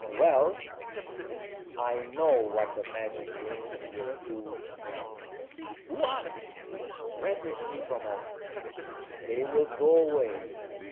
Well, I know what the magic rings will do now." "What?" breathlessly, from all. "They will go away.